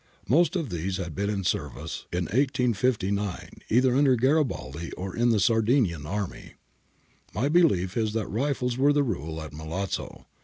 Most of these had seen service in 1859 either under Garibaldi or in the Sardinian army. My belief is that rifles were the rule at Milazzo.